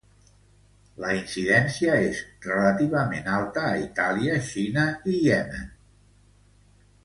La incidència és relativament alta a Itàlia, Xina i Iemen.